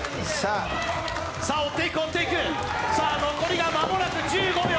さあ、追っていく、残りが間もなく１５秒。